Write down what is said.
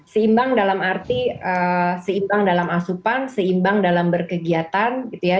seimbang dalam arti seimbang dalam asupan seimbang dalam berkegiatan gitu ya